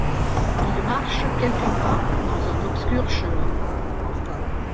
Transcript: Il marche quelques pas-dans un obscur chemin